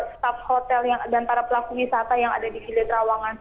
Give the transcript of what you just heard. staf hotel dan para pelaku wisata yang ada di gili trawangan